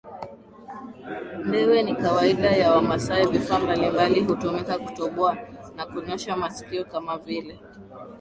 ndewe ni kawaida ya Wamasai Vifaa mbalimbali hutumika kutoboa na kunyosha masikio kama vile